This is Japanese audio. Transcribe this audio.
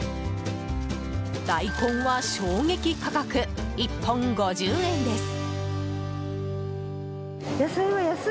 大根は衝撃価格、１本５０円です。